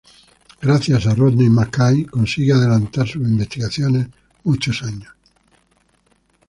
Gracias a Rodney McKay consiguen adelantar sus investigaciones muchos años.